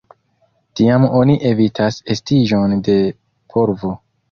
Tiam oni evitas estiĝon de polvo.